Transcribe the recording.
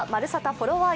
フォロワー！